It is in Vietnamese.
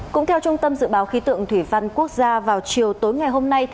cũng theo trung tâm dự báo khí tượng thủy văn quốc gia vào chiều tối ngày hôm nay